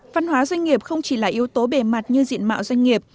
văn hóa doanh nghiệp không chỉ là yếu tố bề mặt như diện mạo doanh nghiệp